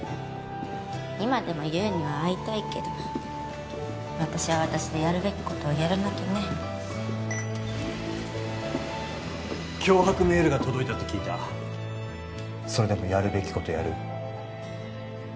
今でも優には会いたいけど私は私でやるべきことをやらなきゃね脅迫メールが届いたって聞いたそれでもやるべきことやる？